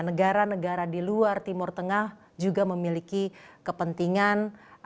negara negara di luar timur tengah juga memiliki kepentingan